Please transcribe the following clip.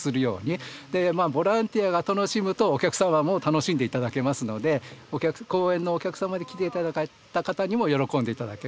でまあボランティアが楽しむとお客様も楽しんでいただけますので公園のお客様に来ていただいた方にも喜んでいただける。